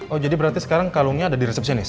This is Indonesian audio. oh jadi berarti sekarang kalungnya ada di resepsianis